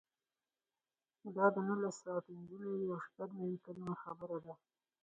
دا د نولس سوه پنځه نوي او شپږ نوي کلونو خبره ده.